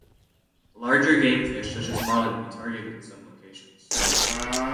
Larger gamefish such as marlin may be targeted in some locations.